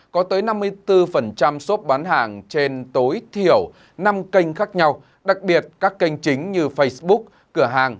có tới năm mươi bốn sốp bán hàng trên tối thiểu năm kênh khác nhau đặc biệt các kênh chính như facebook cửa hàng